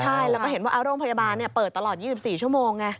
ใช่แล้วก็เห็นว่าโรงพยาบาลเปิดตลอด๒๔ชั่วโมงไง